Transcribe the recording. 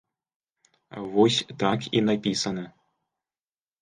Вось так і напісана.